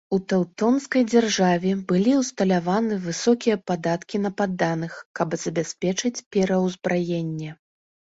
У тэўтонскай дзяржаве былі ўсталяваны высокія падаткі на падданых, каб забяспечыць пераўзбраенне.